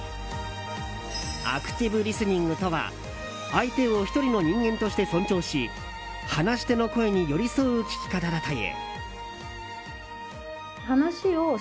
アクティブリスニングは相手を１人の人間として尊重し話し手の声に寄り添う聞き方だという。